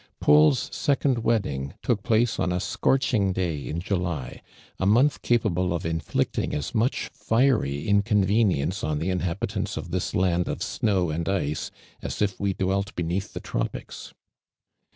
I'aul's secoml wedding took place on a scorcliing day in .luly, a month capable of inflicting as much fiery inconvenience on the inliabitants of this land of " snow and ice" as if we dwelt beneath the tropics.